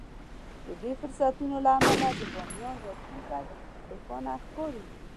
د دې فرصتونو له امله د باميان راتلونکی روښانه ښکاري.